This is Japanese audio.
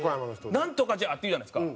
「ナントカじゃ！」って言うじゃないですか。